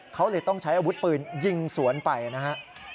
เขาเลยต้องใช้อาวุธปืนยิงสวนไปนะครับ